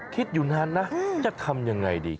คิดอยู่นานนะจะทำยังไงดี